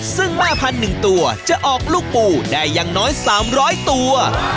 ซึ่งแม่พันธุ์๑ตัวจะออกลูกปูได้อย่างน้อย๓๐๐ตัว